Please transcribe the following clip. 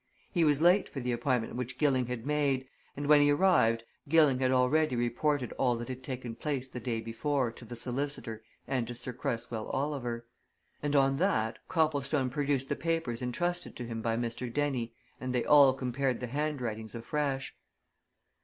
He was late for the appointment which Gilling had made, and when he arrived Gilling had already reported all that had taken place the day before to the solicitor and to Sir Cresswell Oliver. And on that Copplestone produced the papers entrusted to him by Mr. Dennie and they all compared the handwritings afresh.